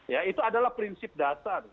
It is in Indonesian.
ya itu adalah prinsip dasar